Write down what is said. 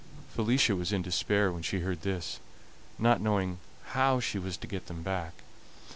Felicia was in despair when she heard this, not knowing how she was to get them back.